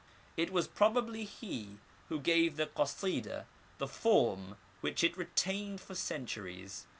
It was probably he who gave the kasideh the form which it retained for centuries.